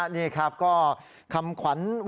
รู้ครอบและพิกษ์ครอบและทังคม